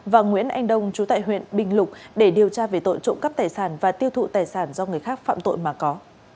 và nguyễn anh đông chú tại huyện bình lục để điều tra về tội trộm cắp tài sản và tiêu thụ tài sản do người khác phạm tội mà có